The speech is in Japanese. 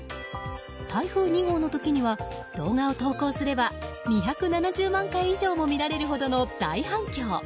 台風２号の時には動画を投稿すれば２７０万回以上も見られるほどの大反響。